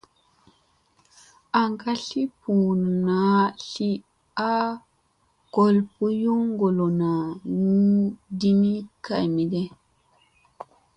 An ka tli ɓuu naa tli a gol ɓuyun goolona di ni kay mege ?